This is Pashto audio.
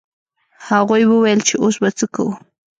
هغوی وویل چې اوس به څه کوو.